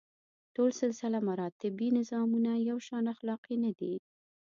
ټول سلسله مراتبي نظامونه یو شان اخلاقي نه دي.